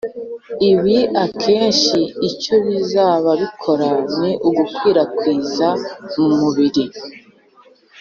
ibi akenshi icyo bizaba bikora ni ugukwirakwiza mu mubiri